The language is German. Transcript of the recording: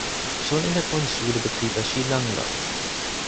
Schon in der Grundschule betrieb er Skilanglauf.